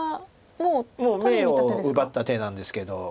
もう眼を奪った手なんですけど。